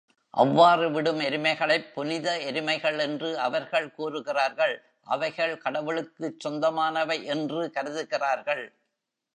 அவ்வாறு விடும் எருமைகளைப் புனித எருமைகள் என்று அவர்கள் கூறுகிறார்கள், அவைகள் கடவுளுக்குச் சொந்த மானவை என்று கருதுகிறார்கள்.